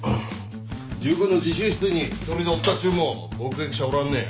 塾の自習室に１人でおったっちゅうんも目撃者はおらんねん。